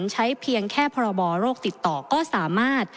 ใช้เพียงแค่พรบโรคติดต่อก็สามารถ